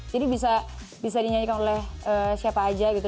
jadi bisa bisa dinyanyikan oleh siapa aja gitu